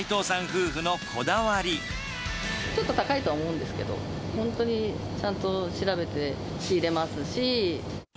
ちょっと高いとは思うんですけど、本当にちゃんと調べて仕入れますし。